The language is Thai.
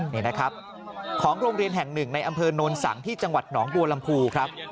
นี่นะครับของโรงเรียนแห่งหนึ่งในอำเภอโนนสังที่จังหวัดหนองบัวลำพูครับ